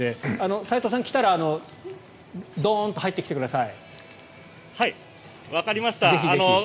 齋藤さん、来たらドーンと入ってきてください。